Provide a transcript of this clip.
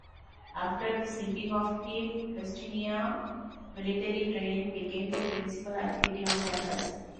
After the sinking of the Lusitania, military training became the principal activity on campus.